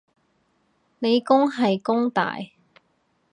理工係弓大